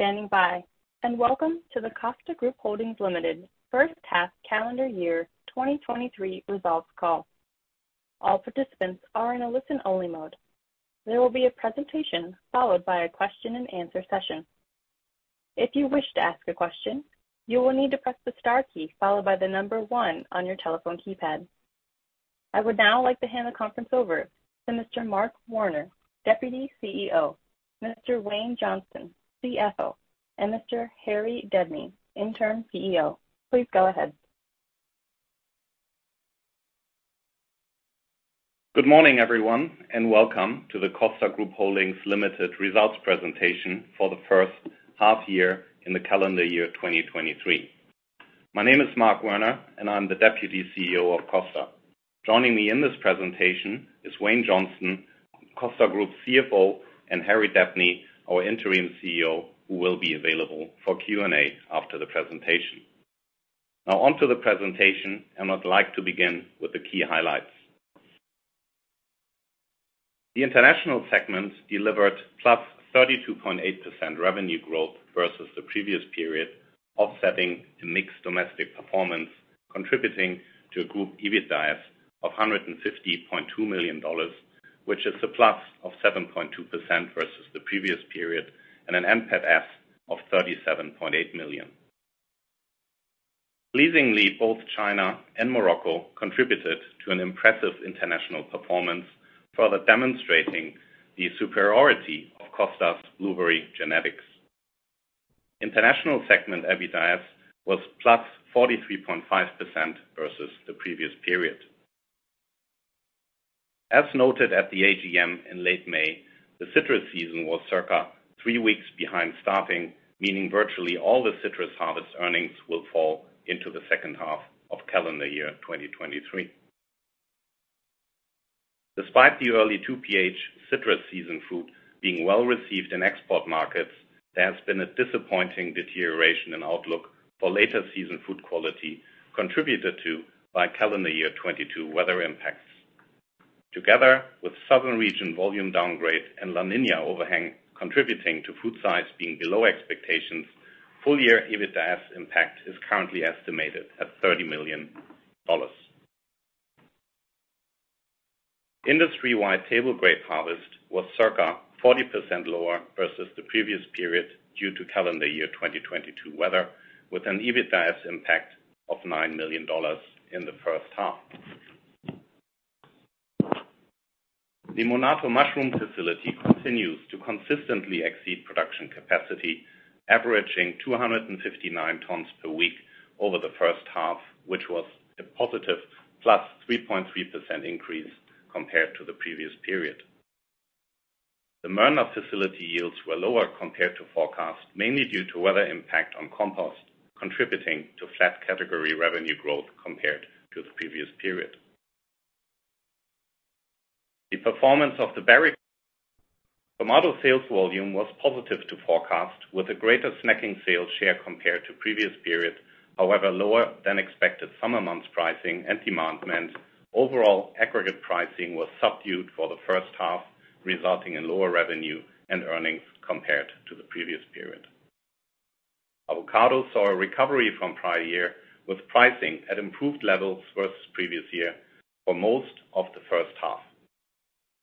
Thank you for standing by, and welcome to the Costa Group Holdings Limited First Half Calendar Year 2023 Results Call. All participants are in a listen-only mode. There will be a presentation followed by a question-and-answer session. If you wish to ask a question, you will need to press the star key followed by the number one on your telephone keypad. I would now like to hand the conference over to Mr. Marc Werner, Deputy CEO, Mr. Wayne Johnston, CFO, and Mr. Harry Debney, Interim CEO. Please go ahead. Good morning, everyone, and welcome to the Costa Group Holdings Limited Results Presentation for the first half year in the calendar year 2023. My name is Marc Werner, and I'm the Deputy CEO of Costa. Joining me in this presentation is Wayne Johnston, Costa Group's CFO, and Harry Debney, our interim CEO, who will be available for Q&A after the presentation. Now on to the presentation, and I'd like to begin with the key highlights. The international segment delivered +32.8% revenue growth versus the previous period, offsetting a mixed domestic performance, contributing to a group EBITDA-S of 150.2 million dollars, which is +7.2% versus the previous period, and an NPAT-S of 37.8 million. Pleasingly, both China and Morocco contributed to an impressive international performance, further demonstrating the superiority of Costa's blueberry genetics. International segment EBITDA-S was +43.5% versus the previous period. As noted at the AGM in late May, the citrus season was circa 3 weeks behind staffing, meaning virtually all the citrus harvest earnings will fall into the second half of calendar year 2023. Despite the early 2PH citrus season fruit being well received in export markets, there has been a disappointing deterioration in outlook for later season fruit quality, contributed to by calendar year 2022 weather impacts. Together with southern region volume downgrade and La Niña overhang contributing to fruit size being below expectations, full year EBITDA-S impact is currently estimated at 30 million dollars. Industry-wide table grape harvest was circa 40% lower versus the previous period, due to calendar year 2022 weather, with an EBITDA-S impact of 9 million dollars in the first half. The Monarto mushroom facility continues to consistently exceed production capacity, averaging 259 tons per week over the first half, which was a positive +3.3% increase compared to the previous period. The Mernda facility yields were lower compared to forecast, mainly due to weather impact on compost, contributing to flat category revenue growth compared to the previous period. The performance of the berry... Tomato sales volume was positive to forecast, with a greater snacking sales share compared to previous period. However, lower than expected summer months pricing and demand meant overall aggregate pricing was subdued for the first half, resulting in lower revenue and earnings compared to the previous period. Avocados saw a recovery from prior year, with pricing at improved levels versus previous year for most of the first half,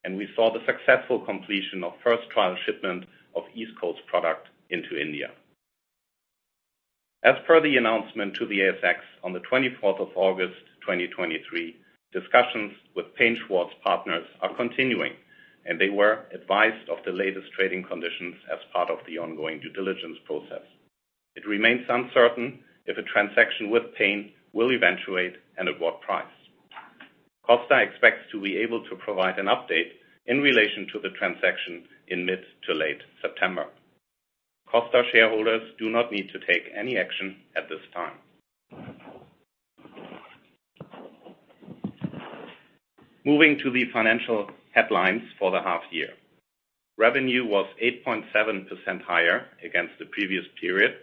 and we saw the successful completion of first trial shipment of East Coast product into India. As per the announcement to the ASX on the 24th of August, 2023, discussions with Paine Schwartz Partners are continuing, and they were advised of the latest trading conditions as part of the ongoing due diligence process. It remains uncertain if a transaction with Paine will eventuate and at what price. Costa expects to be able to provide an update in relation to the transaction in mid to late September. Costa shareholders do not need to take any action at this time. Moving to the financial headlines for the half year. Revenue was 8.7% higher against the previous period,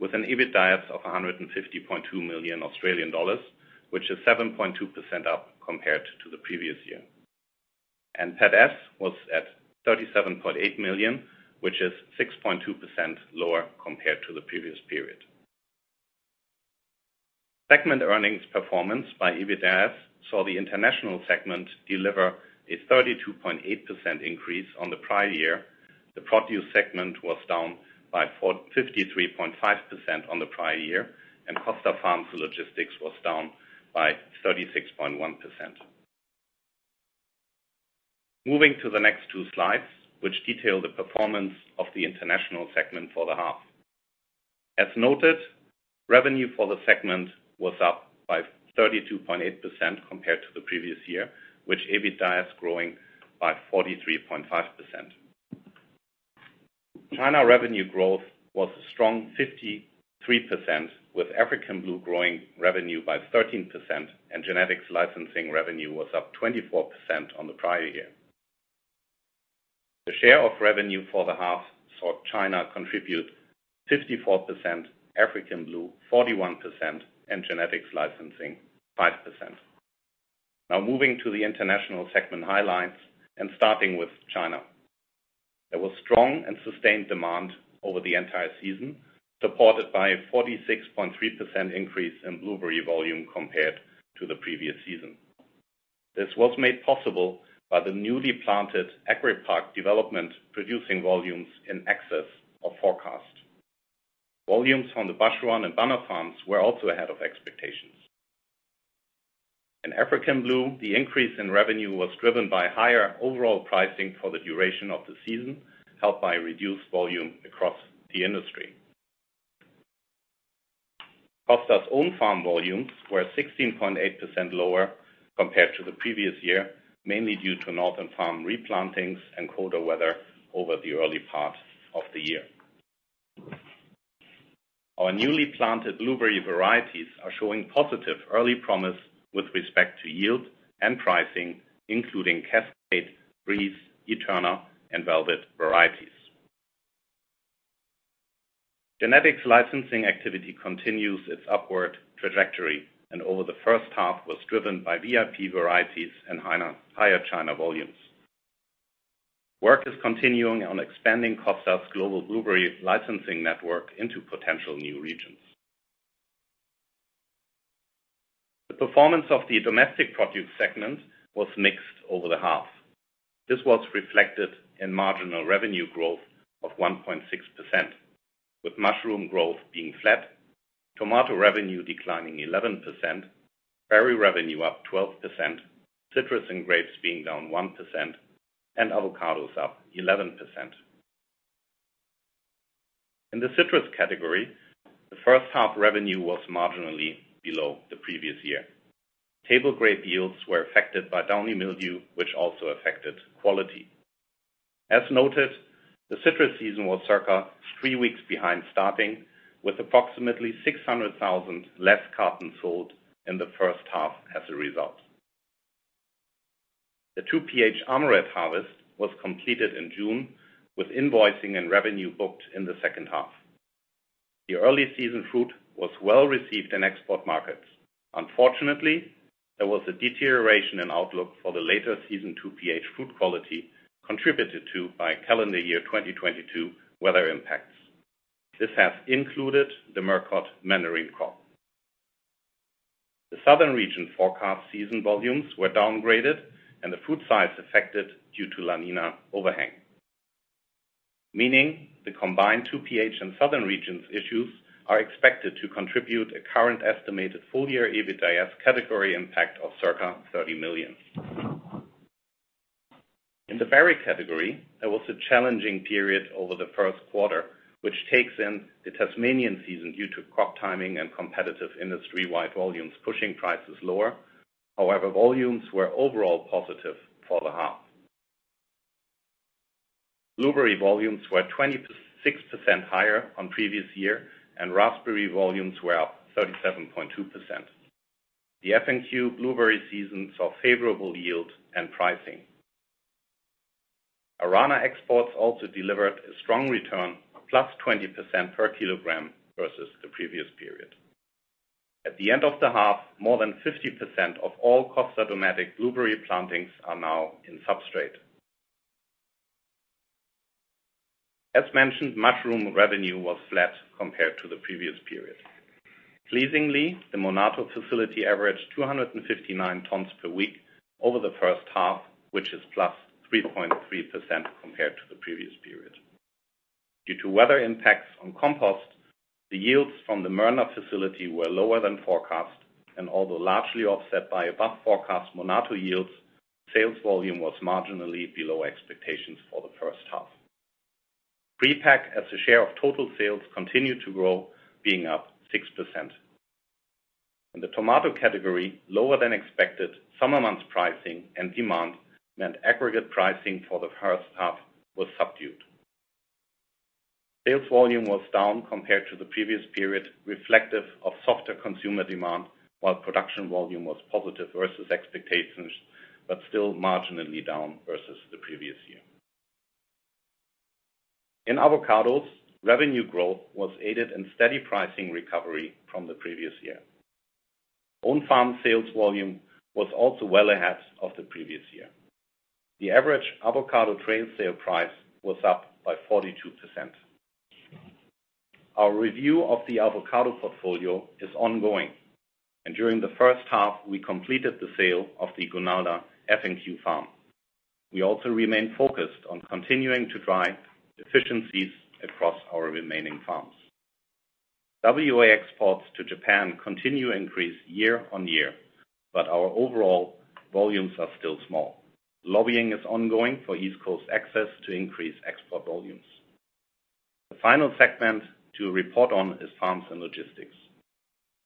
with an EBITDA-S of 150.2 million Australian dollars, which is 7.2% up compared to the previous year. NPAT-S was at 37.8 million, which is 6.2% lower compared to the previous period. Segment earnings performance by EBITDA-S saw the international segment deliver a 32.8% increase on the prior year. The produce segment was down by 53.5% on the prior year, and Costa Logistics was down by 36.1%. Moving to the next two slides, which detail the performance of the international segment for the half. As noted, revenue for the segment was up by 32.8% compared to the previous year, with EBITDA-S growing by 43.5%. China revenue growth was a strong 53%, with African Blue growing revenue by 13%, and genetics licensing revenue was up 24% on the prior year. The share of revenue for the half saw China contribute 54%, African Blue 41%, and genetics licensing 5%. Now moving to the international segment highlights and starting with China. There was strong and sustained demand over the entire season, supported by a 46.3% increase in blueberry volume compared to the previous season. This was made possible by the newly planted Agripark development, producing volumes in excess of forecast. Volumes from the Baoshan and Banna farms were also ahead of expectations. In African Blue, the increase in revenue was driven by higher overall pricing for the duration of the season, helped by reduced volume across the industry. Costa's own farm volumes were 16.8% lower compared to the previous year, mainly due to Northern Farm replantings and colder weather over the early part of the year. Our newly planted blueberry varieties are showing positive early promise with respect to yield and pricing, including Cascade, Breeze, Eterna, and Velvet varieties. Genetics licensing activity continues its upward trajectory, and over the first half was driven by VIP varieties and higher China volumes. Work is continuing on expanding Costa's global blueberry licensing network into potential new regions. The performance of the domestic produce segment was mixed over the half. This was reflected in marginal revenue growth of 1.6%, with mushroom growth being flat, tomato revenue declining 11%, berry revenue up 12%, citrus and grapes being down 1%, and avocados up 11%. In the citrus category, the first half revenue was marginally below the previous year. Table grape yields were affected by downy mildew, which also affected quality. As noted, the citrus season was circa three weeks behind starting, with approximately 600,000 less cartons sold in the first half as a result. The 2PH Afourer harvest was completed in June, with invoicing and revenue booked in the second half. The early season fruit was well received in export markets. Unfortunately, there was a deterioration in outlook for the later season 2PH fruit quality, contributed to by calendar year 2022 weather impacts. This has included the Murcott mandarin crop. The southern region forecast season volumes were downgraded, and the fruit size affected due to La Niña overhang, meaning the combined 2PH and southern regions issues are expected to contribute a current estimated full-year EBITDA-S category impact of circa 30 million. In the berry category, there was a challenging period over the first quarter, which takes in the Tasmanian season due to crop timing and competitive industry-wide volumes, pushing prices lower. However, volumes were overall positive for the half. Blueberry volumes were 26% higher on previous year, and raspberry volumes were up 37.2%. The FNQ blueberry season saw favorable yield and pricing. Arana exports also delivered a strong return, +20% per kilogram versus the previous period. At the end of the half, more than 50% of all Costa domestic blueberry plantings are now in substrate. As mentioned, mushroom revenue was flat compared to the previous period. Pleasingly, the Monarto facility averaged 259 tons per week over the first half, which is +3.3% compared to the previous period. Due to weather impacts on compost, the yields from the Mernda facility were lower than forecast, and although largely offset by above forecast Monarto yields, sales volume was marginally below expectations for the first half. Prepack, as a share of total sales, continued to grow, being up 6%. In the tomato category, lower than expected summer months pricing and demand meant aggregate pricing for the first half was subdued. Sales volume was down compared to the previous period, reflective of softer consumer demand, while production volume was positive versus expectations, but still marginally down versus the previous year. In avocados, revenue growth was aided by steady pricing recovery from the previous year. Own farm sales volume was also well ahead of the previous year. The average avocado trade sale price was up by 42%. Our review of the avocado portfolio is ongoing, and during the first half, we completed the sale of the Gunalda FNQ farm. We also remain focused on continuing to drive efficiencies across our remaining farms. WA exports to Japan continue to increase year-on-year, but our overall volumes are still small. Lobbying is ongoing for East Coast access to increase export volumes. The final segment to report on is farms and logistics.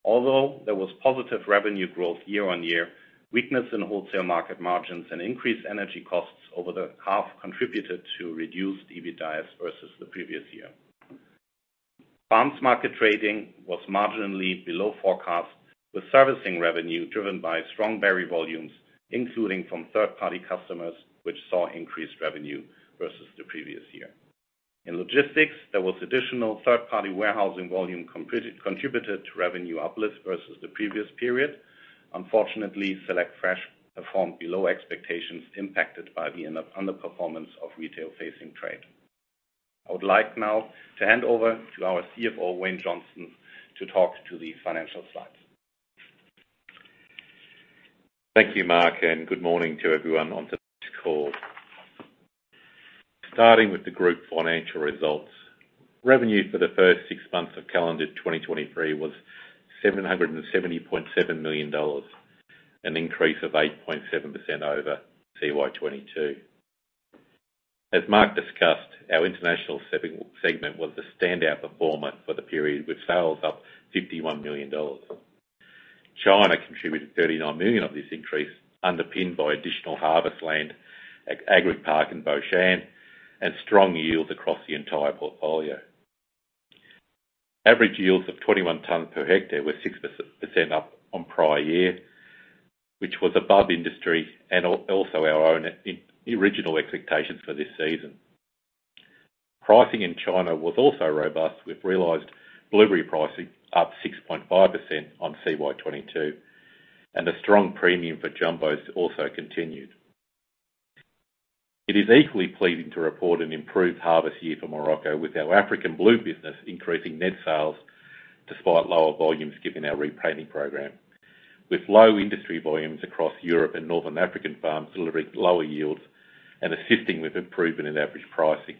Although there was positive revenue growth year-on-year, weakness in wholesale market margins and increased energy costs over the half contributed to reduced EBITDA-S versus the previous year. Farms market trading was marginally below forecast, with servicing revenue driven by strong berry volumes, including from third-party customers, which saw increased revenue versus the previous year. In logistics, there was additional third-party warehousing volume completed, contributed to revenue uplift versus the previous period. Unfortunately, Select Fresh performed below expectations, impacted by the underperformance of retail-facing trade. I would like now to hand over to our CFO, Wayne Johnston, to talk to the financial slides. Thank you, Marc, and good morning to everyone on today's call. Starting with the group financial results. Revenue for the first six months of calendar 2023 was 770.7 million dollars, an increase of 8.7% over CY 2022. As Marc discussed, our international segment was the standout performer for the period, with sales up AUD 51 million. China contributed AUD 39 million of this increase, underpinned by additional harvest land at Agripark in Baoshan and strong yields across the entire portfolio. Average yields of 21 tons per hectare were 6% up on prior year, which was above industry and also our own original expectations for this season. Pricing in China was also robust, with realized blueberry pricing up 6.5% on CY 2022, and a strong premium for jumbos also continued. It is equally pleasing to report an improved harvest year for Morocco, with our African Blue business increasing net sales despite lower volumes, given our replanting program. With low industry volumes across Europe and Northern African farms delivering lower yields and assisting with improvement in average pricing.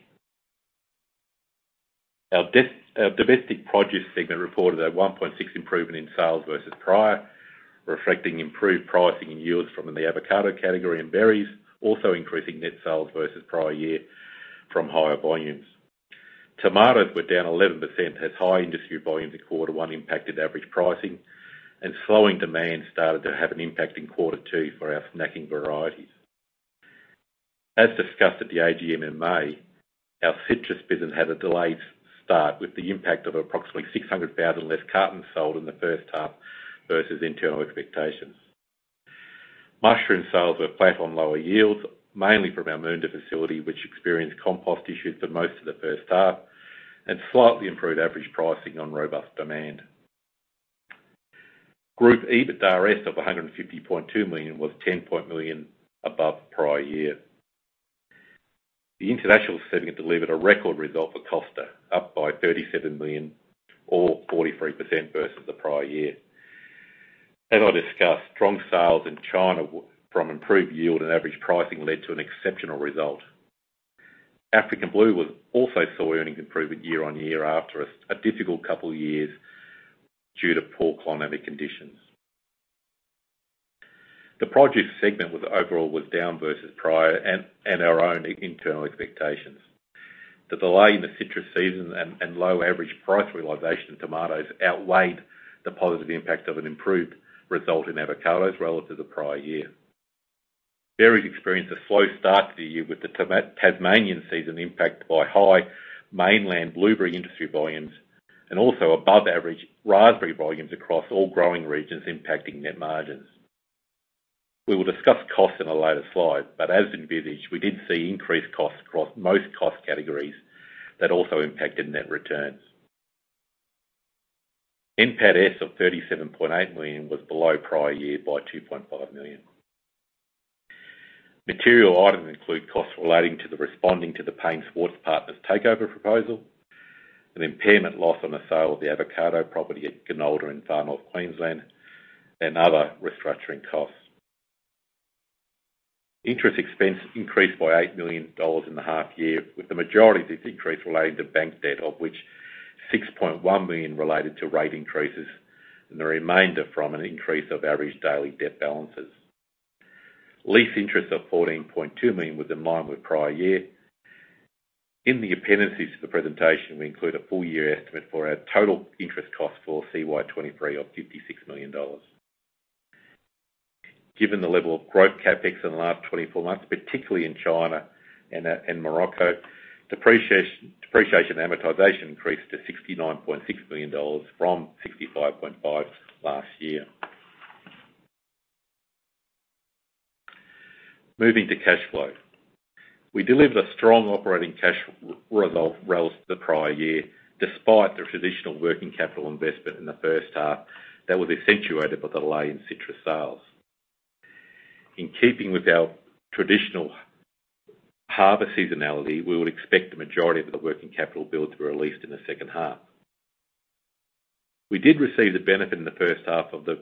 Our domestic produce segment reported a 1.6 improvement in sales versus prior, reflecting improved pricing and yields from the avocado category, and berries, also increasing net sales versus prior year from higher volumes. Tomatoes were down 11%, as high industry volumes in quarter one impacted average pricing, and slowing demand started to have an impact in quarter two for our snacking varieties. As discussed at the AGM in May, our citrus business had a delayed start, with the impact of approximately 600,000 less cartons sold in the first half versus internal expectations. Mushroom sales were flat on lower yields, mainly from our Mernda facility, which experienced compost issues for most of the first half, and slightly improved average pricing on robust demand. Group EBITDA-S of 150.2 million was 10 million above prior year. The international segment delivered a record result for Costa, up by 37 million or 43% versus the prior year. As I discussed, strong sales in China from improved yield and average pricing led to an exceptional result. African Blue also saw earnings improvement year-on-year after a difficult couple of years due to poor climatic conditions. The produce segment overall was down versus prior and our own internal expectations. The delay in the citrus season and low average price realization of tomatoes outweighed the positive impact of an improved result in avocados relative to prior year. Berries experienced a slow start to the year, with the Tasmanian season impacted by high mainland blueberry industry volumes, and also above average raspberry volumes across all growing regions impacting net margins. We will discuss costs in a later slide, but as envisaged, we did see increased costs across most cost categories that also impacted net returns. NPAT-S of 37.8 million was below prior year by 2.5 million. Material items include costs relating to the responding to the Paine Schwartz Partners' takeover proposal, an impairment loss on the sale of the avocado property at Gunalda in Far North Queensland, and other restructuring costs. Interest expense increased by 8 million dollars in the half year, with the majority of this increase relating to bank debt, of which 6.1 million related to rate increases and the remainder from an increase of average daily debt balances. Lease interest of 14.2 million was in line with prior year. In the appendices to the presentation, we include a full year estimate for our total interest cost for CY 2023 of 56 million dollars. Given the level of growth CapEx in the last 24 months, particularly in China and Morocco, depreciation and amortization increased to 69.6 million dollars from 65.5 million last year. Moving to cash flow. We delivered a strong operating cash result relative to the prior year, despite the traditional working capital investment in the first half that was accentuated by the delay in citrus sales. In keeping with our traditional harvest seasonality, we would expect the majority of the working capital build to be released in the second half. We did receive the benefit in the first half of the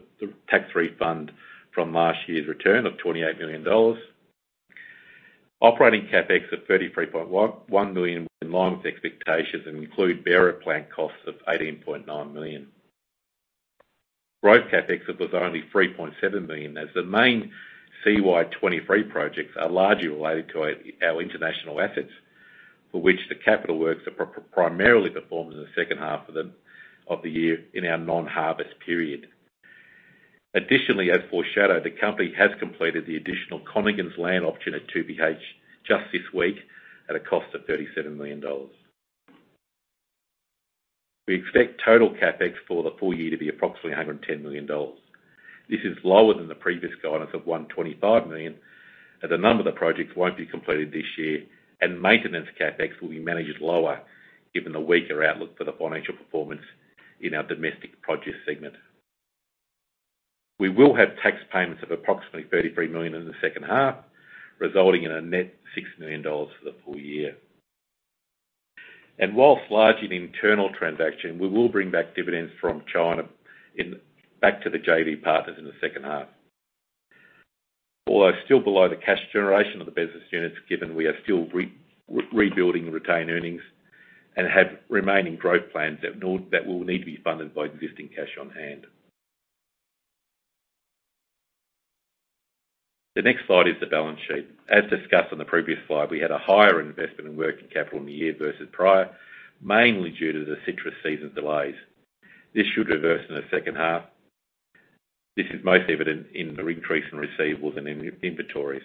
tax refund from last year's return of 28 million dollars. Operating CapEx of 33.1 million was in line with expectations and include bearer plant costs of 18.9 million. Growth CapEx was only 3.7 million, as the main CY 2023 projects are largely related to our international assets, for which the capital works are primarily performed in the second half of the year, in our non-harvest period. Additionally, as foreshadowed, the company has completed the additional Conaghan's land option at 2PH just this week at a cost of 37 million dollars. We expect total CapEx for the full year to be approximately 110 million dollars. This is lower than the previous guidance of 125 million, as a number of the projects won't be completed this year, and maintenance CapEx will be managed lower, given the weaker outlook for the financial performance in our domestic produce segment. We will have tax payments of approximately 33 million in the second half, resulting in a net 6 million dollars for the full year. While largely an internal transaction, we will bring back dividends from China, back to the JV partners in the second half. Although still below the cash generation of the business units, given we are still rebuilding retained earnings and have remaining growth plans that will need to be funded by existing cash on hand. The next slide is the balance sheet. As discussed on the previous slide, we had a higher investment in working capital in the year versus prior, mainly due to the citrus season delays. This should reverse in the second half. This is most evident in the increase in receivables and in inventories.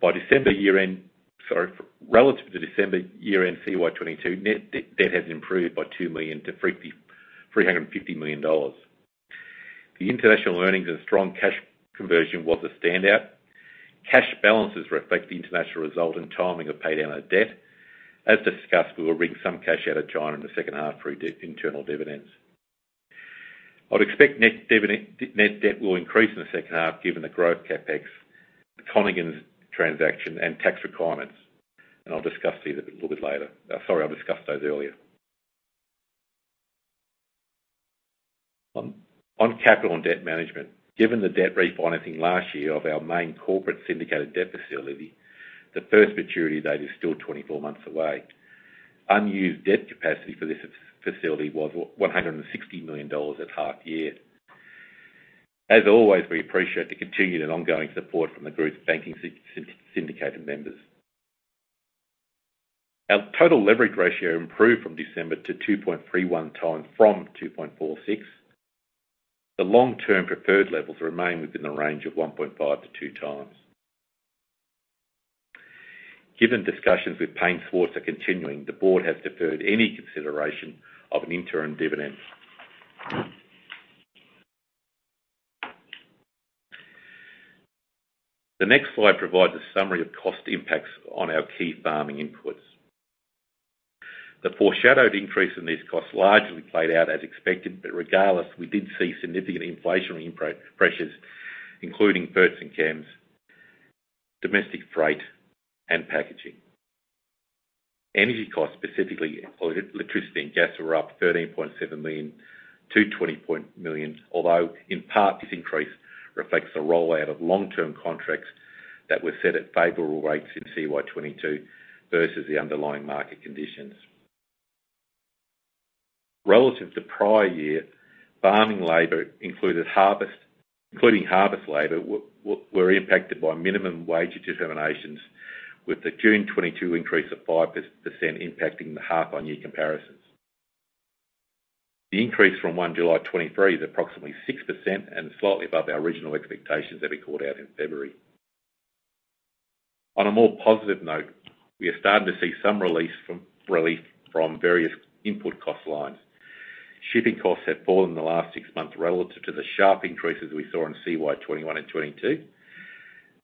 By December year-end, sorry, relative to December year-end, CY 2022, net debt has improved by 2 million to 350 million dollars. The international earnings and strong cash conversion was a standout. Cash balances reflect the international result and timing of pay down of debt. As discussed, we will bring some cash out of China in the second half through internal dividends. I'd expect net debt will increase in the second half, given the growth CapEx, the Conaghan's transaction, and tax requirements, and I'll discuss these a little bit later. Sorry, I'll discuss those earlier. On capital and debt management, given the debt refinancing last year of our main corporate syndicated debt facility, the first maturity date is still 24 months away. Unused debt capacity for this facility was 160 million dollars at half year. As always, we appreciate the continued and ongoing support from the group's banking syndicated members. Our total leverage ratio improved from December to 2.31x from 2.46x. The long-term preferred levels remain within the range of 1.5x-2x. Given discussions with Paine Schwartz are continuing, the board has deferred any consideration of an interim dividend. The next slide provides a summary of cost impacts on our key farming inputs. The foreshadowed increase in these costs largely played out as expected, but regardless, we did see significant inflationary input pressures, including ferts and chems, domestic freight, and packaging. Energy costs, specifically electricity and gas, were up 13.7 million to 20 million, although in part, this increase reflects the rollout of long-term contracts that were set at favorable rates in CY 2022 versus the underlying market conditions. Relative to prior year, farming labor, including harvest labor, were impacted by minimum wage determinations, with the June 2022 increase of 5% impacting the half-on-year comparisons. The increase from 1 July 2023 is approximately 6% and slightly above our original expectations that we called out in February. On a more positive note, we are starting to see some relief from various input cost lines. Shipping costs have fallen in the last six months relative to the sharp increases we saw in CY 2021 and 2022.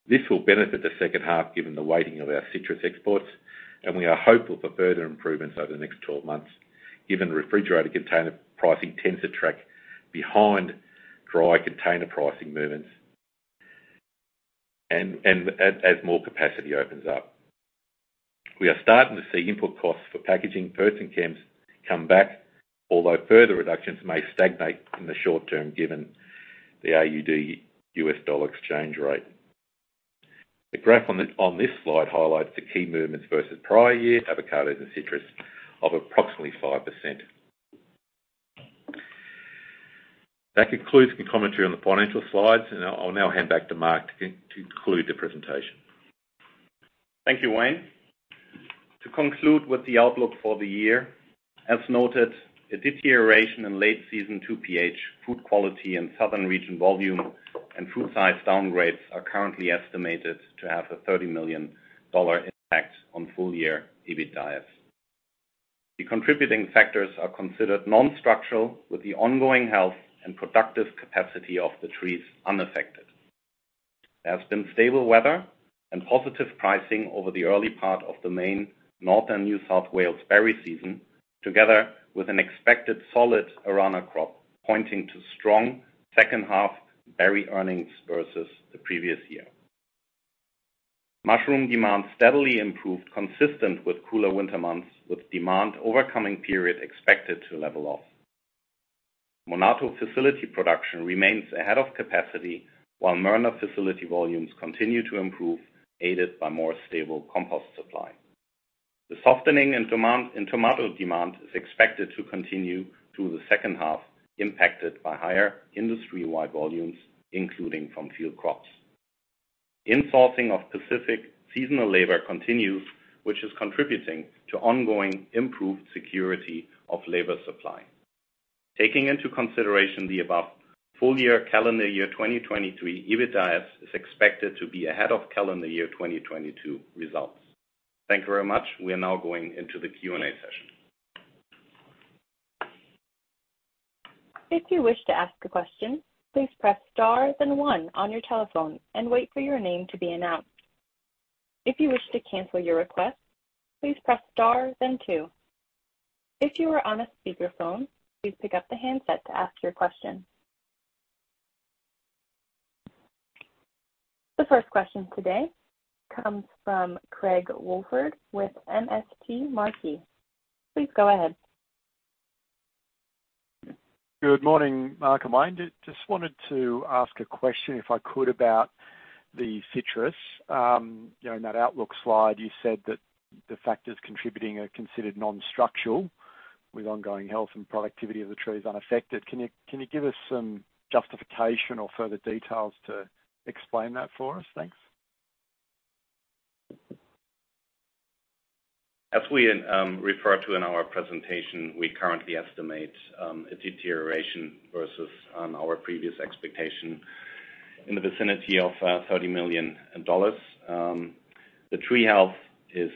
This will benefit the second half, given the weighting of our citrus exports, and we are hopeful for further improvements over the next 12 months, given the refrigerator container pricing tends to track behind dry container pricing movements and as more capacity opens up. We are starting to see input costs for packaging, ferts, and chems come back, although further reductions may stagnate in the short term, given the AUD-US dollar exchange rate. The graph on this slide highlights the key movements versus prior year, avocados and citrus, of approximately 5%. That concludes the commentary on the financial slides, and I'll now hand back to Marc to conclude the presentation. Thank you, Wayne. To conclude with the outlook for the year, as noted, a deterioration in late season 2PH fruit quality in southern region volume, and fruit size downgrades are currently estimated to have a 30 million dollar impact on full-year EBITDA. The contributing factors are considered non-structural, with the ongoing health and productive capacity of the trees unaffected. There has been stable weather and positive pricing over the early part of the main Northern New South Wales berry season, together with an expected solid Arana crop, pointing to strong second half berry earnings versus the previous year. Mushroom demand steadily improved, consistent with cooler winter months, with demand overcoming period expected to level off. Monarto facility production remains ahead of capacity, while Mernda facility volumes continue to improve, aided by more stable compost supply. The softening in demand, in tomato demand is expected to continue through the second half, impacted by higher industry-wide volumes, including from field crops. Insourcing of specific seasonal labor continues, which is contributing to ongoing improved security of labor supply. Taking into consideration the above full year, calendar year 2023, EBITDA is expected to be ahead of calendar year 2022 results. Thank you very much. We are now going into the Q&A session. If you wish to ask a question, please press star, then one on your telephone and wait for your name to be announced. If you wish to cancel your request, please press star, then two. If you are on a speakerphone, please pick up the handset to ask your question. The first question today comes from Craig Woolford with MST Marquee. Please go ahead. Good morning, Marc and Wayne. Just wanted to ask a question, if I could, about the citrus. You know, in that outlook slide, you said that the factors contributing are considered non-structural, with ongoing health and productivity of the trees unaffected. Can you give us some justification or further details to explain that for us? Thanks. As we referred to in our presentation, we currently estimate a deterioration versus our previous expectation in the vicinity of 30 million dollars. The tree health is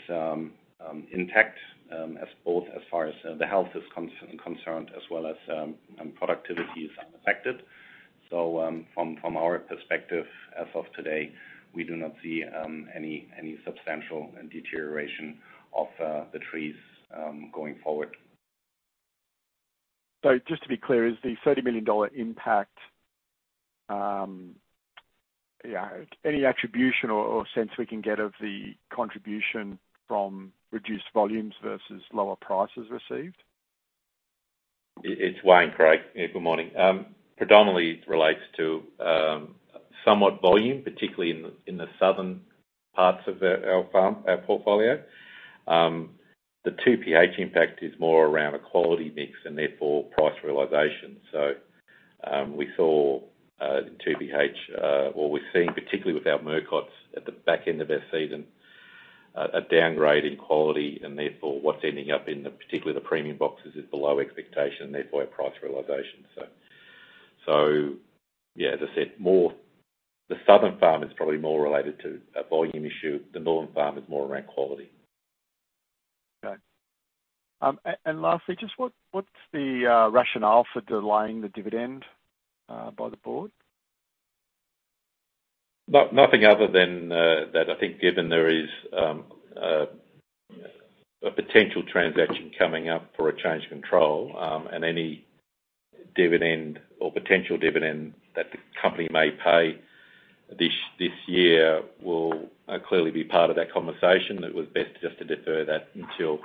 intact as both as far as the health is concerned, as well as productivity is unaffected. So, from our perspective, as of today, we do not see any substantial deterioration of the trees going forward. So just to be clear, is the 30 million dollar impact, Yeah, any attribution or, or sense we can get of the contribution from reduced volumes versus lower prices received? It's Wayne, Craig. Good morning. Predominantly, it relates to somewhat volume, particularly in the southern parts of our farm, our portfolio. The 2PH impact is more around a quality mix and therefore price realization. So, we saw the 2PH, what we're seeing, particularly with our Murcotts at the back end of their season, a downgrade in quality, and therefore, what's ending up in the, particularly the premium boxes, is below expectation and therefore price realization. So, yeah, as I said, the southern farm is probably more related to a volume issue. The northern farm is more around quality. Okay. And lastly, just what's the rationale for delaying the dividend by the board? No, nothing other than that I think, given there is a potential transaction coming up for a change of control, and any dividend or potential dividend that the company may pay this year will clearly be part of that conversation. It was best just to defer that until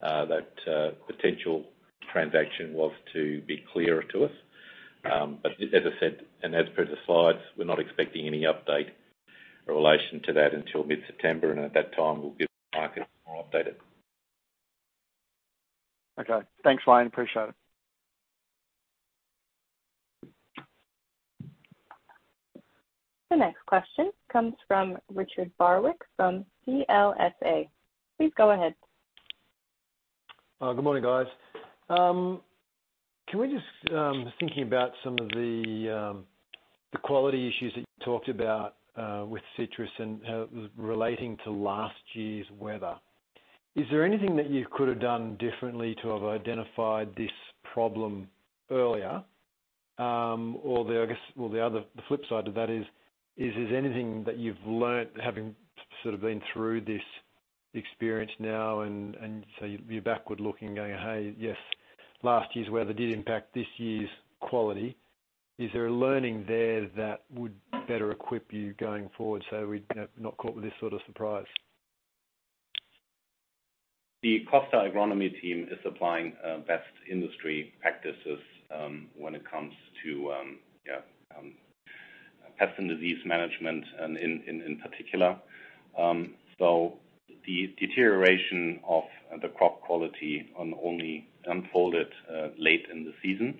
that potential transaction was to be clearer to us. But as I said, and as per the slides, we're not expecting any update in relation to that until mid-September, and at that time, we'll give the market more updated. Okay. Thanks, Wayne. Appreciate it. The next question comes from Richard Barwick, from CLSA. Please go ahead. Good morning, guys. Can we just thinking about some of the quality issues that you talked about with citrus and relating to last year's weather. Is there anything that you could have done differently to have identified this problem earlier? Or the, I guess, well, the flip side to that is anything that you've learnt having sort of been through this experience now and so you're backward-looking, going, "Hey, yes, last year's weather did impact this year's quality." Is there a learning there that would better equip you going forward, so we'd not caught with this sort of surprise? The Costa agronomy team is applying best industry practices when it comes to pest and disease management and in particular. So the deterioration of the crop quality only unfolded late in the season.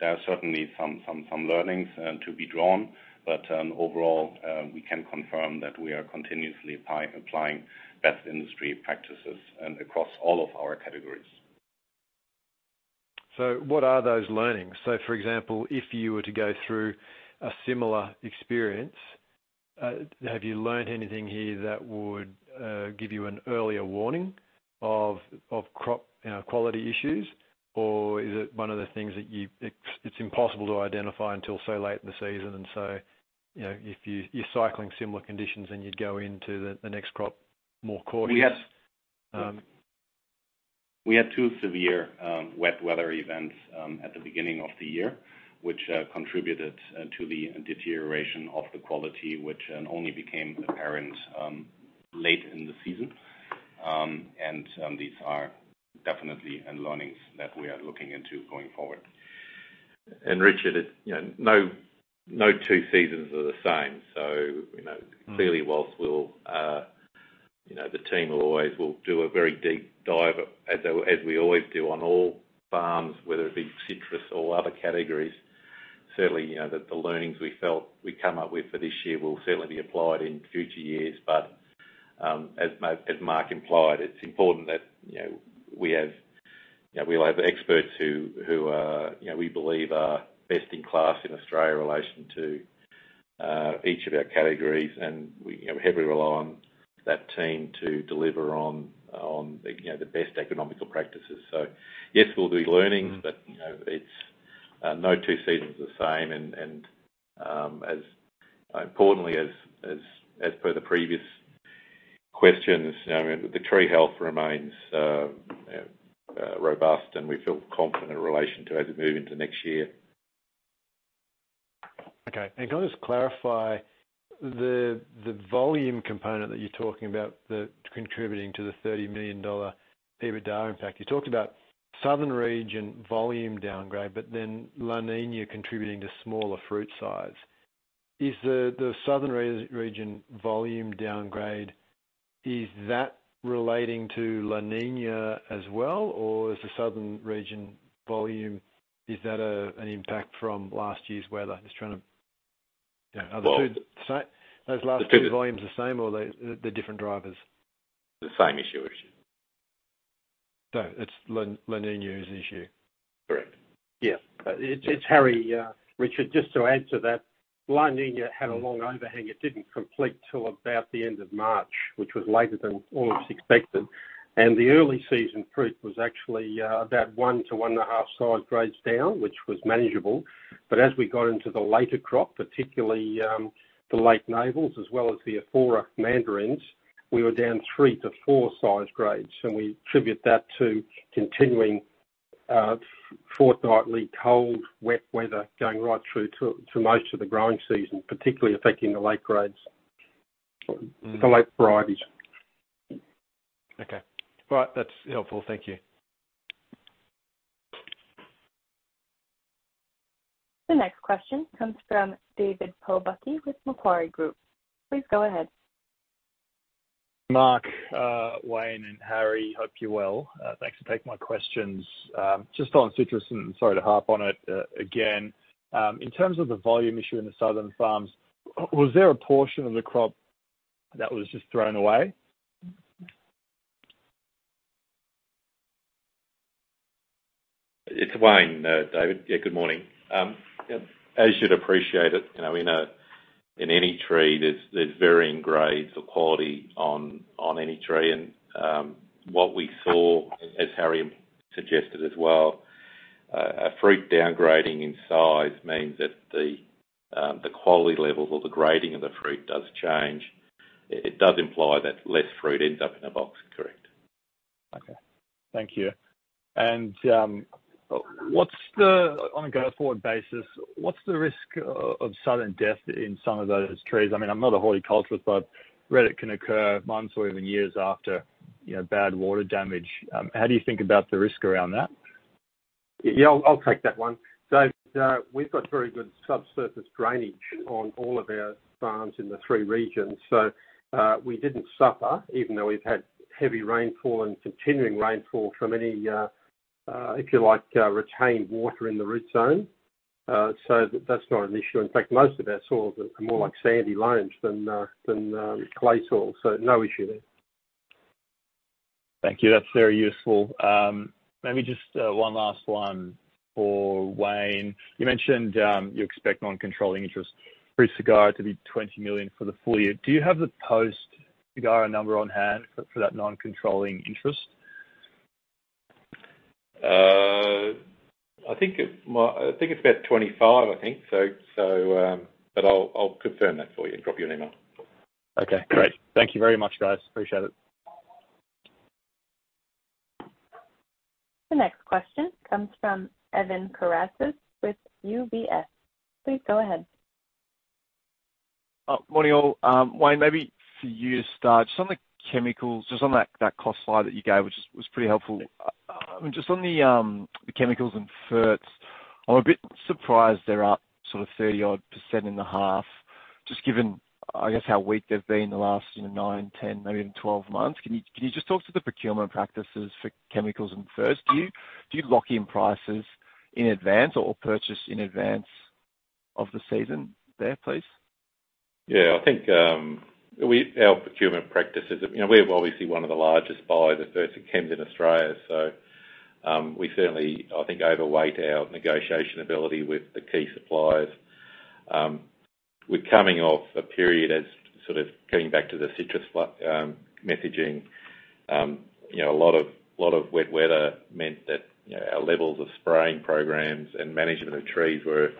There are certainly some learnings to be drawn, but overall, we can confirm that we are continuously applying best industry practices across all of our categories. So what are those learnings? So for example, if you were to go through a similar experience, have you learned anything here that would give you an earlier warning of crop, you know, quality issues? Or is it one of the things that it's impossible to identify until so late in the season, and so, you know, if you're cycling similar conditions, then you'd go into the next crop more cautious. We had two severe wet weather events at the beginning of the year, which contributed to the deterioration of the quality, which only became apparent late in the season. And these are definitely end learnings that we are looking into going forward. Richard, you know, no, no two seasons are the same, so you know... Mm. Clearly, whilst we'll, you know, the team will always do a very deep dive, as we always do on all farms, whether it be citrus or other categories. Certainly, you know, the learnings we felt we come up with for this year will certainly be applied in future years. But, as Marc implied, it's important that, you know, we have, you know, we allow the experts who, you know, we believe are best in class in Australia in relation to each of our categories, and we, you know, heavily rely on that team to deliver on the, you know, the best economical practices. So yes, we'll do learnings- Mm-hmm. But, you know, it's no two seasons the same. And as importantly, as per the previous questions, you know, the tree health remains robust, and we feel confident in relation to as we move into next year. Okay. And can I just clarify the volume component that you're talking about, contributing to the 30 million dollar EBITDA impact? You talked about southern region volume downgrade, but then La Niña contributing to smaller fruit size. Is the southern region volume downgrade relating to La Niña as well, or is the southern region volume an impact from last year's weather? Just trying to, you know- Well- Are the two the same? Those last two volumes the same or they, they're different drivers? The same issue. It's La Niña's issue? Correct. Yes. It's Harry, Richard, just to add to that, La Niña had a long overhang. It didn't complete till about the end of March, which was later than all of us expected. And the early season fruit was actually about 1-1.5 size grades down, which was manageable. But as we got into the later crop, particularly the late navels as well as the Afourer mandarins, we were down three to four size grades, and we attribute that to continuing fortnightly cold, wet weather going right through to most of the growing season, particularly affecting the late grades. Mm. The late varieties. Okay. Right. That's helpful. Thank you. The next question comes from David Pobucky with Macquarie Group. Please go ahead. Mark, Wayne, and Harry, hope you're well. Thanks for taking my questions. Just on Citrus, and sorry to harp on it, again. In terms of the volume issue in the southern farms, was there a portion of the crop that was just thrown away? It's Wayne, David. Yeah, good morning. As you'd appreciate it, you know, in any tree, there's varying grades or quality on any tree. What we saw, as Harry suggested as well, a fruit downgrading in size means that the quality levels or the grading of the fruit does change. It does imply that less fruit ends up in a box. Correct. Okay. Thank you. And, what's the... On a go-forward basis, what's the risk of sudden death in some of those trees? I mean, I'm not a horticulturalist, but I read it can occur months or even years after, you know, bad water damage. How do you think about the risk around that? Yeah, I'll take that one. So, we've got very good subsurface drainage on all of our farms in the three regions, so we didn't suffer, even though we've had heavy rainfall and continuing rainfall from any, if you like, retained water in the root zone. So that's not an issue. In fact, most of our soils are more like sandy loams than clay soils, so no issue there. Thank you. That's very useful. Maybe just one last one for Wayne. You mentioned you expect non-controlling interest pre-SGARA to be 20 million for the full year. Do you have the post-SGARA number on hand for that non-controlling interest? I think it's about 25, I think so, so, but I'll confirm that for you and drop you an email. Okay, great. Thank you very much, guys. Appreciate it. The next question comes from Evan Karatzas with UBS. Please go ahead. Morning, all. Wayne, maybe for you to start, just on the chemicals, just on that, that cost slide that you gave, which was, was pretty helpful. Just on the, the chemicals and ferts, I'm a bit surprised they're up sort of 30-odd% in the half, just given, I guess, how weak they've been in the last, you know, nine, 10, maybe even 12 months. Can you, can you just talk to the procurement practices for chemicals and ferts? Do you, do you lock in prices in advance or purchase in advance of the season there, please? Yeah, I think our procurement practices, you know, we're obviously one of the largest buyers of ferts and chems in Australia, so we certainly, I think, overweight our negotiation ability with the key suppliers. We're coming off a period as sort of coming back to the citrus messaging. You know, a lot of wet weather meant that, you know, our levels of spraying programs and management of trees were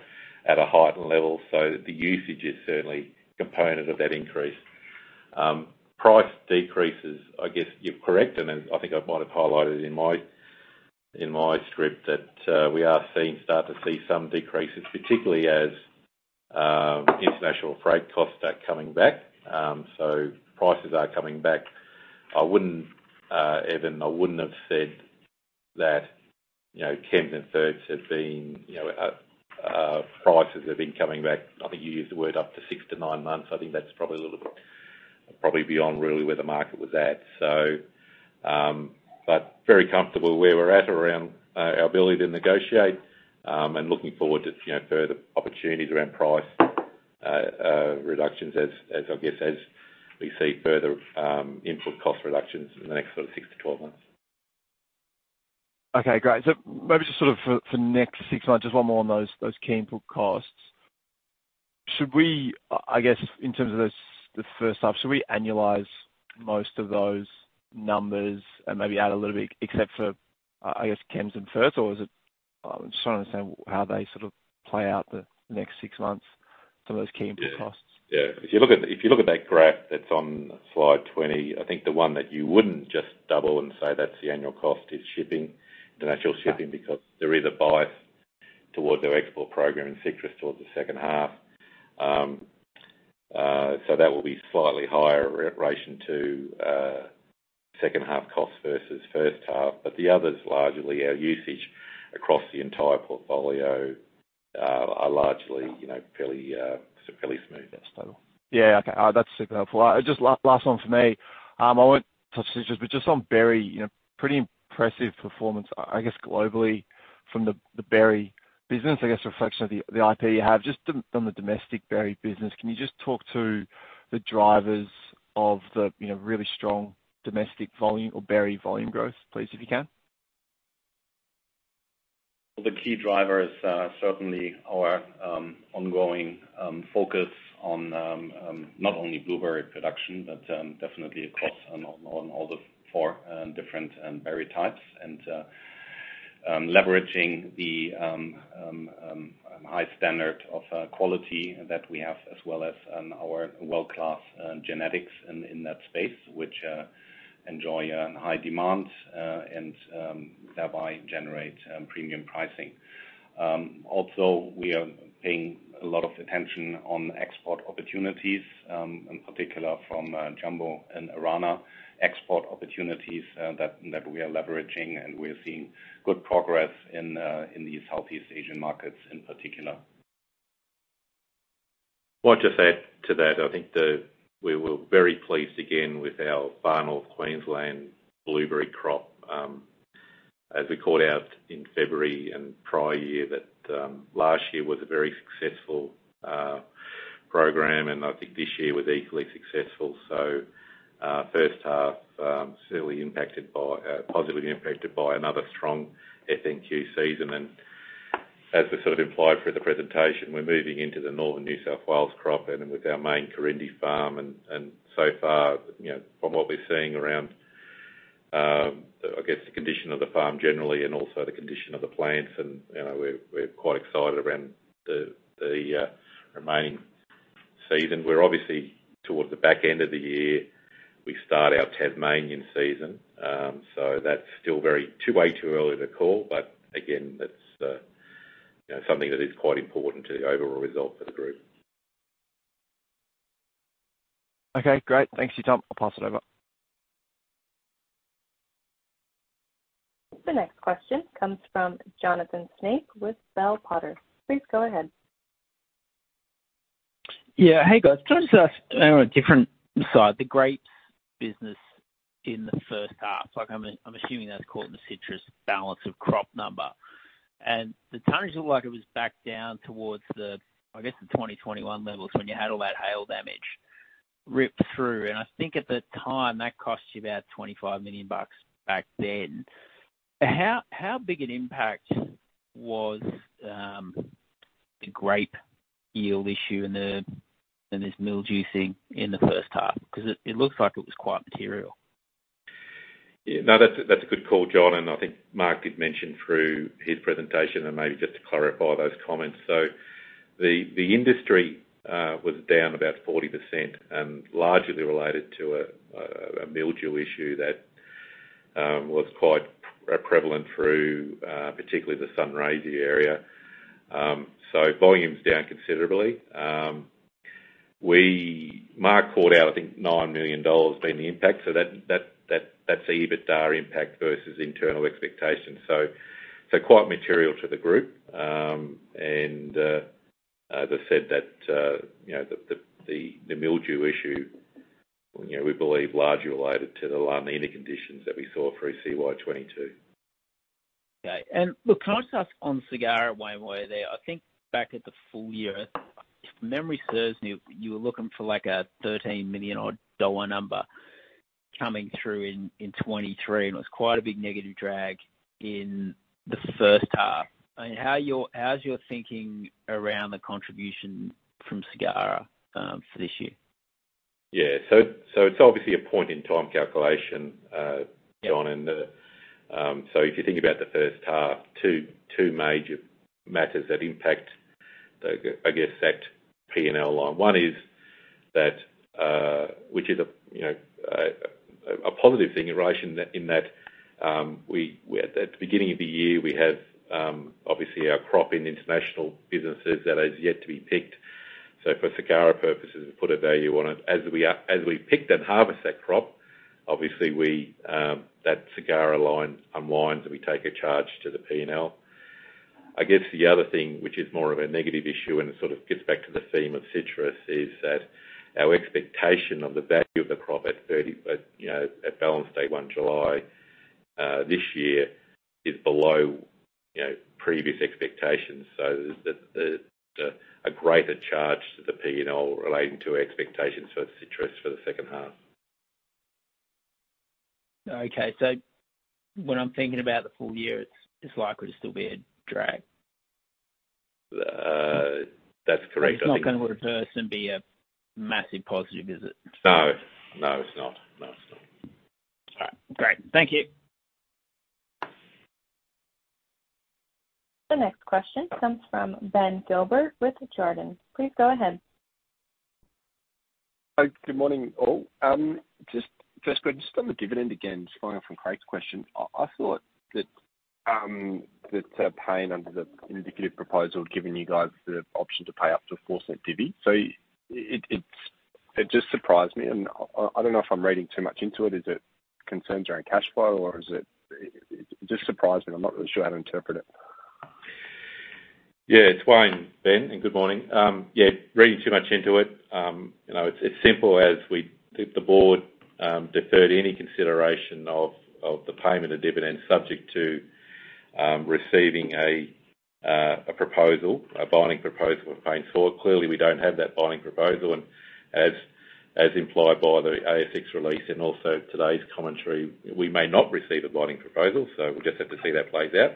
at a heightened level, so the usage is certainly component of that increase. Price decreases, I guess you're correct, and then I think I might have highlighted in my script that we are starting to see some decreases, particularly as international freight costs are coming back. So prices are coming back. I wouldn't, Evan, I wouldn't have said that, you know, chems and ferts have been, you know, prices have been coming back. I think you used the word up to six to nine months. I think that's probably a little bit-... probably beyond really where the market was at. So, but very comfortable where we're at around, our ability to negotiate, and looking forward to, you know, further opportunities around price, reductions as, as, I guess, as we see further, input cost reductions in the next sort of six to 12 months. Okay, great. So maybe just sort of for the next six months, just one more on those key input costs. Should we, I guess, in terms of this, the first half, annualize most of those numbers and maybe add a little bit, except for, I guess, chems and first? Or is it, I'm just trying to understand how they sort of play out the next six months, some of those key input costs. Yeah. If you look at, if you look at that graph that's on slide 20, I think the one that you wouldn't just double and say that's the annual cost is shipping, international shipping- Ah. because there is a bias towards our export program and citrus towards the second half. So that will be slightly higher in relation to second half costs versus first half. But the others, largely, our usage across the entire portfolio are largely, you know, fairly fairly smooth and stable. Yeah, okay. That's super helpful. Just last one for me. I won't touch citrus, but just on berry, you know, pretty impressive performance, I guess globally from the berry business. I guess, reflection of the IP you have. Just on the domestic berry business, can you just talk to the drivers of the, you know, really strong domestic volume or berry volume growth, please, if you can? Well, the key driver is certainly our ongoing focus on not only blueberry production, but definitely across on all the four different berry types. And leveraging the high standard of quality that we have, as well as our world-class genetics in that space, which enjoy a high demand and thereby generate premium pricing. Also, we are paying a lot of attention on export opportunities, in particular from Jumbo and Arana. Export opportunities that we are leveraging, and we're seeing good progress in these Southeast Asian markets in particular. Well, just to add to that, I think we were very pleased again with our Far North Queensland blueberry crop. As we called out in February and prior year, that last year was a very successful program, and I think this year was equally successful. So, first half certainly impacted by positively impacted by another strong FNQ season. And as we sort of implied through the presentation, we're moving into the Northern New South Wales crop, and with our main Corindi farm, and so far, you know, from what we're seeing around, I guess, the condition of the farm generally and also the condition of the plants, and, you know, we're quite excited around the remaining season. We're obviously towards the back end of the year. We start our Tasmanian season, so that's still very, too way too early to call, but again, that's, you know, something that is quite important to the overall result for the group. Okay, great. Thanks for your time. I'll pass it over. The next question comes from Jonathan Snape with Bell Potter. Please go ahead. Yeah. Hey, guys. Can I just ask on a different side, the grapes business in the first half? Like, I'm assuming that's caught in the citrus balance of crop number. And the tonnage looked like it was back down towards the, I guess, the 2021 levels, when you had all that hail damage rip through. And I think at the time, that cost you about 25 million bucks back then. How big an impact was the grape yield issue and the, and this mildew thing in the first half? Because it looks like it was quite material. Yeah. No, that's a good call, John, and I think Marc did mention through his presentation, and maybe just to clarify those comments. So the industry was down about 40%, largely related to a mildew issue that was quite prevalent through, particularly the Sunraysia area. So volume's down considerably. Marc called out, I think, 9 million dollars being the impact, so that's the EBITDA impact versus internal expectations, so quite material to the group. And as I said, you know, the mildew issue, you know, we believe, largely related to the La Niña conditions that we saw through CY 2022. Okay. And look, can I just ask on SGARA while we're there? I think back at the full year, if memory serves me, you were looking for, like, an 13 million odd dollar number coming through in 2023, and it was quite a big negative drag in the first half. I mean, how's your thinking around the contribution from SGARA for this year? Yeah. So, so it's obviously a point-in-time calculation. Yeah... John, and so if you think about the first half, two major matters that impact the, I guess, that P&L line. One is that, which is, you know, a positive thing in relation to that, we, at the beginning of the year, we have, obviously, our crop in international businesses that is yet to be picked. So for SGARA purposes, we put a value on it. As we pick and harvest that crop, obviously, that SGARA line unwinds, and we take a charge to the P&L.... I guess the other thing, which is more of a negative issue, and it sort of gets back to the theme of citrus, is that our expectation of the value of the crop at 30, you know, at balance day 1 July, this year, is below, you know, previous expectations. So a greater charge to the P&L relating to expectations for citrus for the second half. Okay. So when I'm thinking about the full year, it's likely to still be a drag? That's correct. It's not gonna reverse and be a massive positive, is it? No. No, it's not. No, it's not. All right, great. Thank you. The next question comes from Ben Gilbert with Jarden. Please go ahead. Hi, good morning, all. Just, first quick, just on the dividend again, just following up from Craig's question. I thought that paying under the indicative proposal, giving you guys the option to pay up to a 0.04 divvy. So it just surprised me, and I don't know if I'm reading too much into it. Is it concerns around cash flow, or is it... It just surprised me. I'm not really sure how to interpret it. Yeah, it's Wayne, Ben, and good morning. Yeah, reading too much into it. You know, it's simple as the board deferred any consideration of the payment of dividends subject to receiving a proposal, a binding proposal of paying for it. Clearly, we don't have that binding proposal, and as implied by the ASX release and also today's commentary, we may not receive a binding proposal, so we'll just have to see how that plays out.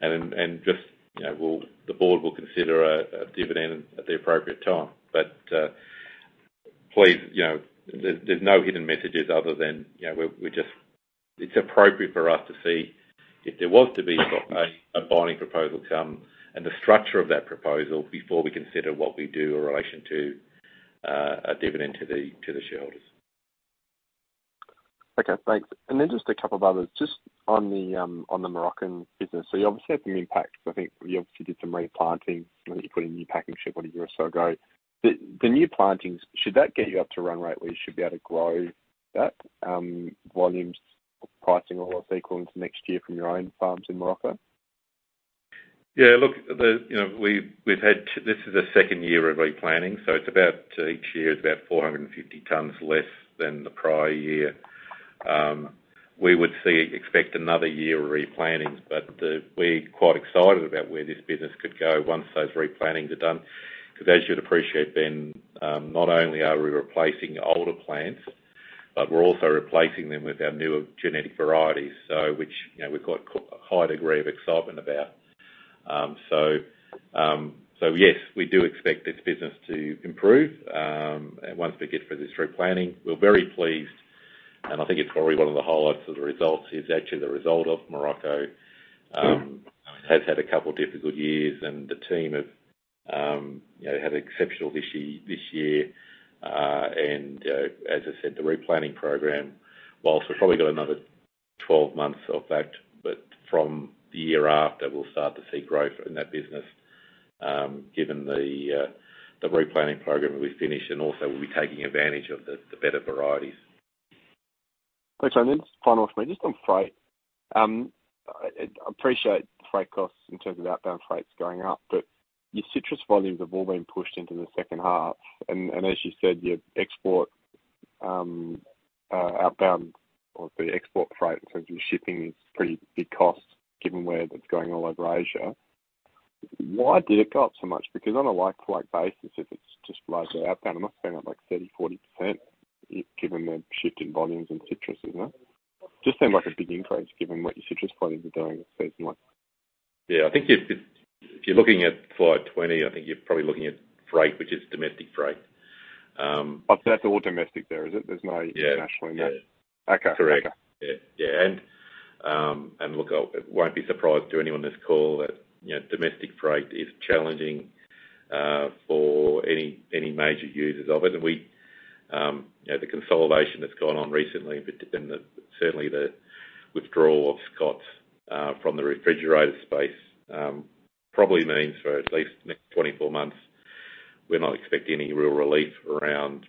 And just, you know, the board will consider a dividend at the appropriate time. But please, you know, there's no hidden messages other than, you know, we're just... It's appropriate for us to see if there was to be a binding proposal come, and the structure of that proposal before we consider what we do in relation to a dividend to the shareholders. Okay, thanks. And then just a couple of others, just on the, on the Moroccan business. So you obviously had some impact. I think you obviously did some replanting, and you put a new packing shed about a year or so ago. The, the new plantings, should that get you up to run rate, where you should be able to grow that, volumes, pricing, or sequence next year from your own farms in Morocco? Yeah, look, you know, we've had... This is the second year of replanting, so it's about, each year is about 450 tons less than the prior year. We would expect another year of replanting, but we're quite excited about where this business could go once those replantings are done, 'cause as you'd appreciate, Ben, not only are we replacing older plants, but we're also replacing them with our newer genetic varieties, so which, you know, we've got a high degree of excitement about. So yes, we do expect this business to improve once we get through this replanting. We're very pleased, and I think it's probably one of the highlights of the results, is actually the result of Morocco, has had a couple of difficult years, and the team have, you know, had exceptional this year, this year. As I said, the replanting program, whilst we've probably got another 12 months of that, but from the year after, we'll start to see growth in that business, given the, the replanting program will be finished, and also we'll be taking advantage of the, the better varieties. Great. So then final for me, just on freight. I appreciate freight costs in terms of outbound freights going up, but your citrus volumes have all been pushed into the second half. And as you said, your export outbound, or the export freight in terms of your shipping is pretty big cost, given where that's going all over Asia. Why did it go up so much? Because on a like-like basis, if it's just largely outbound, it must have been up, like, 30%-40%, given the shift in volumes and citrus, isn't it? Just seem like a big increase, given what your citrus volumes are doing this season like. Yeah, I think if it's, if you're looking at flight 20, I think you're probably looking at freight, which is domestic freight, But that's all domestic there, is it? There's no- Yeah. - international in there. Yeah. Okay. Correct. Okay. Yeah, yeah. And, and look, it won't be a surprise to anyone on this call that, you know, domestic freight is challenging, for any, any major users of it. And we, you know, the consolidation that's gone on recently, but then the, certainly the withdrawal of Scotts, from the refrigerated space, probably means for at least the next 24 months, we're not expecting any real relief around,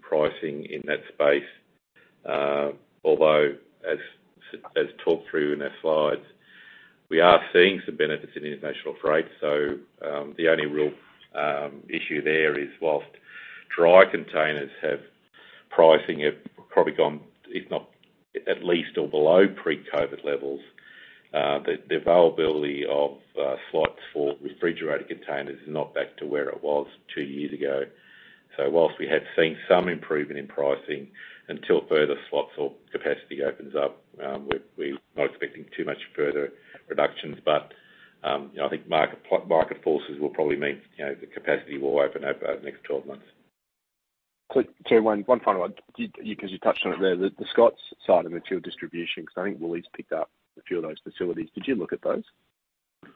pricing in that space. Although, as talked through in our slides, we are seeing some benefits in international freight. So, the only real, issue there is, whilst dry containers have pricing, have probably gone, if not, at least or below pre-COVID levels, the availability of, slots for refrigerated containers is not back to where it was two years ago. So while we have seen some improvement in pricing, until further slots or capacity opens up, we're not expecting too much further reductions. But, you know, I think market forces will probably mean, you know, the capacity will open over the next 12 months. Quick, Wayne, one final one. Do you-'cause you touched on it there, the, the Scotts side of material distribution, 'cause I think Woolies picked up a few of those facilities. Did you look at those?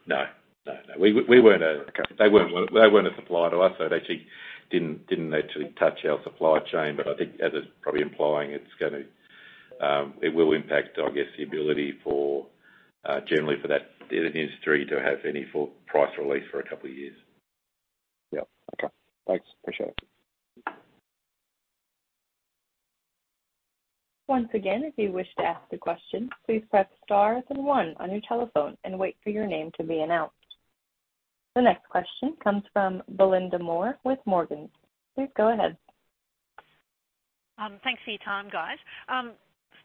No. No, no. We weren't a- Okay. They weren't, they weren't a supplier to us, so it actually didn't, didn't actually touch our supply chain, but I think as it's probably implying, it's gonna, it will impact, I guess, the ability for, generally for that, the industry to have any full price release for a couple of years. Yeah. Okay. Thanks. Appreciate it. ...Once again, if you wish to ask a question, please press Star and One on your telephone and wait for your name to be announced. The next question comes from Belinda Moore with Morgans. Please go ahead. Thanks for your time, guys.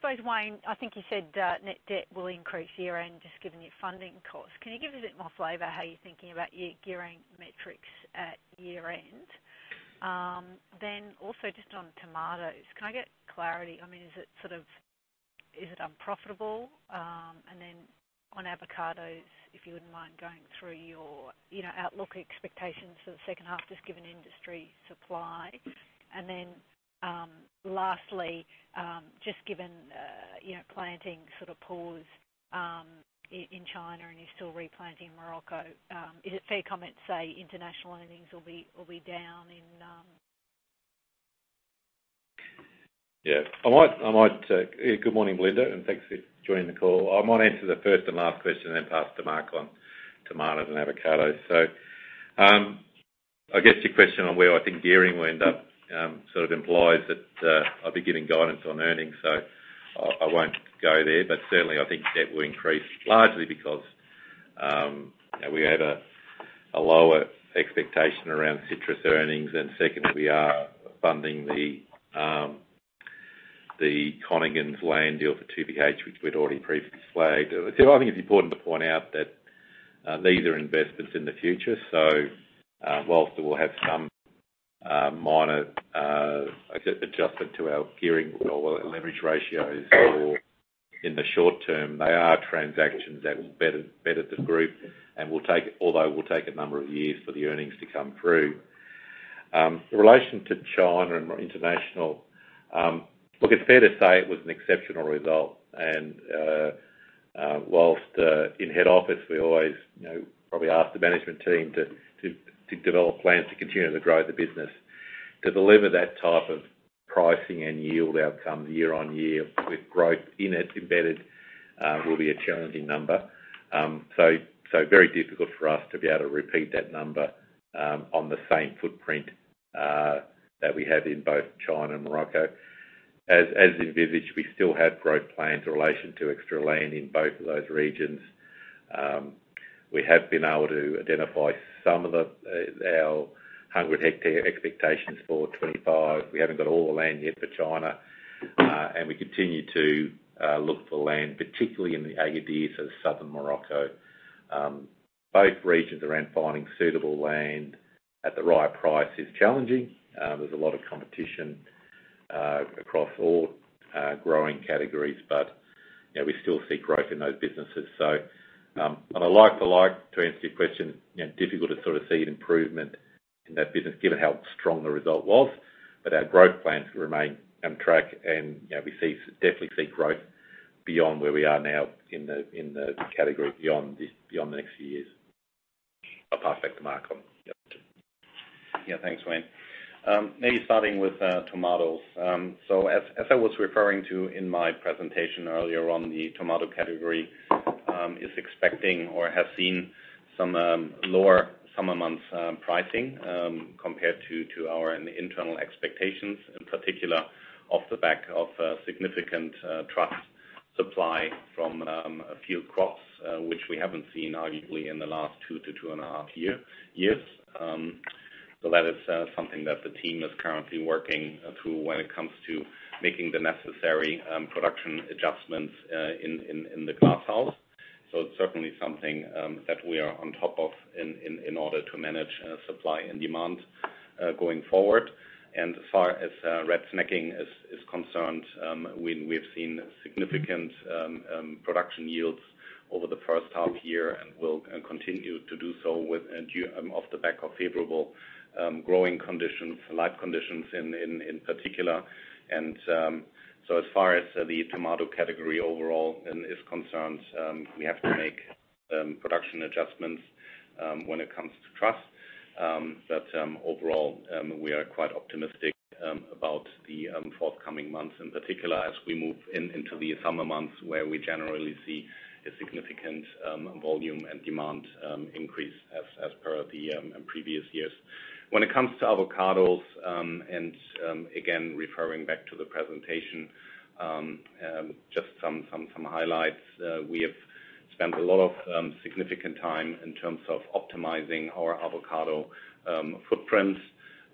So, Wayne, I think you said net debt will increase year-end, just given your funding costs. Can you give us a bit more flavor, how you're thinking about your gearing metrics at year-end? Then also, just on tomatoes, can I get clarity? I mean, is it sort of, is it unprofitable? And then on avocados, if you wouldn't mind going through your, you know, outlook expectations for the second half, just given industry supply. And then, lastly, just given, you know, planting sort of pause, in China, and you're still replanting in Morocco, is it fair comment to say international earnings will be, will be down in- Yeah, I might... Good morning, Belinda, and thanks for joining the call. I might answer the first and last question, and then pass to Marc on tomatoes and avocados. So, I guess your question on where I think gearing will end up, sort of implies that I'll be giving guidance on earnings, so I won't go there. But certainly, I think debt will increase largely because we had a lower expectation around citrus earnings. And secondly, we are funding the Conaghan's land deal for 2PH, which we'd already previously flagged. So I think it's important to point out that these are investments in the future. So, while we'll have some minor adjustment to our gearing or leverage ratios for in the short term, they are transactions that will better, better the group and although will take a number of years for the earnings to come through. In relation to China and international, look, it's fair to say it was an exceptional result, and while in head office, we always, you know, probably ask the management team to develop plans to continue to grow the business. To deliver that type of pricing and yield outcome year on year with growth in it, embedded, will be a challenging number. So, so very difficult for us to be able to repeat that number on the same footprint that we have in both China and Morocco. As envisaged, we still have growth plans in relation to extra land in both of those regions. We have been able to identify some of our 100-hectare expectations for 2025. We haven't got all the land yet for China, and we continue to look for land, particularly in the Agadir, so southern Morocco. Both regions around finding suitable land at the right price is challenging. There's a lot of competition across all growing categories, but, you know, we still see growth in those businesses. So, on a like-to-like, to answer your question, you know, difficult to sort of see an improvement in that business given how strong the result was. But our growth plans remain on track, and, you know, we see, definitely see growth beyond where we are now in the, in the category, beyond this, beyond the next few years. I'll pass back to Marc. Yeah, thanks, Wayne. Maybe starting with tomatoes. So as I was referring to in my presentation earlier on, the tomato category is expecting or has seen some lower summer months pricing compared to our internal expectations, in particular, off the back of significant truss supply from a few crops, which we haven't seen arguably in the last two to 2.5 years. So that is something that the team is currently working through when it comes to making the necessary production adjustments in the glasshouse. So it's certainly something that we are on top of in order to manage supply and demand going forward. As far as red snacking is concerned, we've seen significant production yields over the first half year and will continue to do so due off the back of favorable growing conditions, light conditions in particular. So as far as the tomato category overall is concerned, we have to make production adjustments when it comes to truss. But overall, we are quite optimistic about the forthcoming months, in particular, as we move into the summer months, where we generally see a significant volume and demand increase as per the previous years. When it comes to avocados, and again, referring back to the presentation, just some highlights. We have spent a lot of significant time in terms of optimizing our avocado footprints,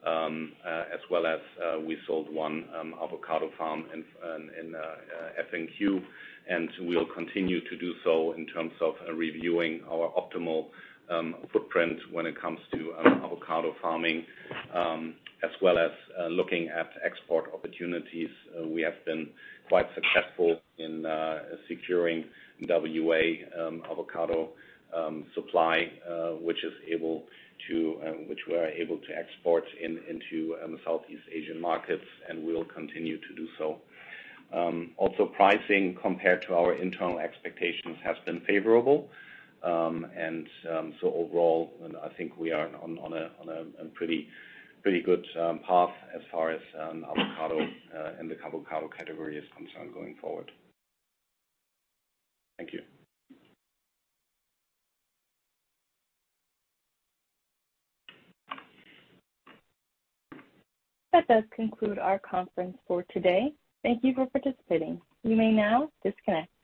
as well as we sold 1 avocado farm in FNQ, and we'll continue to do so in terms of reviewing our optimal footprint when it comes to avocado farming, as well as looking at export opportunities. We have been quite successful in securing WA avocado supply, which we are able to export into the Southeast Asian markets, and we'll continue to do so. Also, pricing, compared to our internal expectations, has been favorable. And so overall, I think we are on a pretty good path as far as avocado and the avocado category is concerned going forward. Thank you. That does conclude our conference for today. Thank you for participating. You may now disconnect.